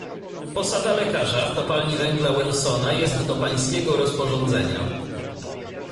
"Posada lekarza w kopalni węgla Wilsona jest do pańskiego rozporządzenia."